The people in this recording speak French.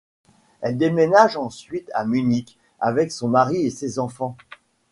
Elle déménage ensuite à Munich avec son mari et ses enfants.